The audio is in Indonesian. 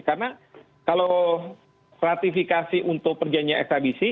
karena kalau ratifikasi untuk perjanjian ekstavisi